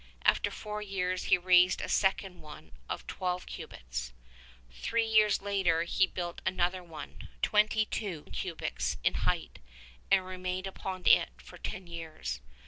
After four years he raised a second one of twelve cubits. 155 Three years later he built another one, twenty two cubits in height, and remained upon it for ten years.